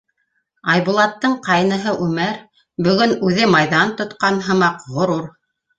Айбулаттың ҡайныһы Үмәр, бөгөн үҙе майҙан тотҡан һымаҡ, ғорур: